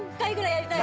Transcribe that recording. やりたい。